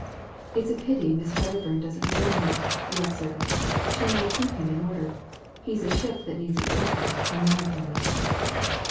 "It's a pity Miss Wedderbum doesn't marry him," he observed. "She might keep him in order. He's a ship that needs an anchor, in my opinion."